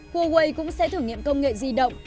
huawei cũng sẽ thử nghiệm công nghệ di động